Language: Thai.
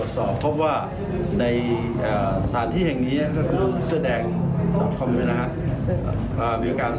ตรวจสอบพบว่าในสถานที่แห่งนี้ก็คือเสือแดงคอมด้วยนะฮะ